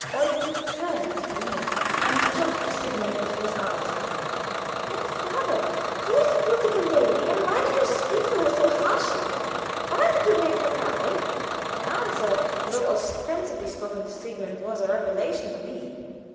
Eugen turned to me, and took Sigmund into his arms again. "Mein Vater, who is the beautiful lady, and why did you speak so harshly to her? Why did you make her cry?" The answer, though ostensibly spoken to Sigmund, was a revelation to me.